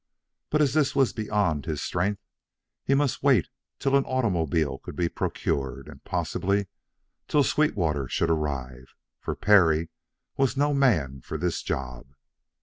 But as this was beyond his strength, he must wait till an automobile could be procured, and possibly till Sweetwater should arrive for Perry was no man for this job.